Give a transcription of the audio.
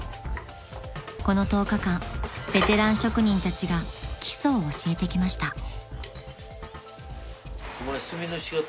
［この１０日間ベテラン職人たちが基礎を教えてきました］